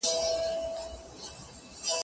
کېدای سي وخت کم وي!.